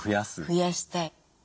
増やしたい。